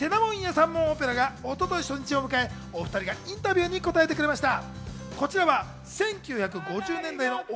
『てなもんや三文オペラ』が一昨日、初日を迎え、お２人がインタビューに答えてくれました。